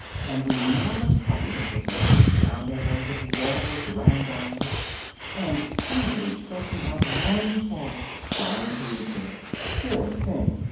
An enormous puppy was looking down at her with large round eyes, and feebly stretching out one paw, trying to reach her: "poor thing!"